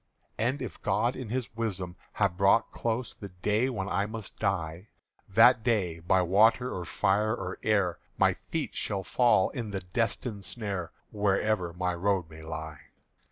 "And if God in His wisdom have brought close The day when I must die, That day by water or fire or air My feet shall fall in the destined snare Wherever my road may lie.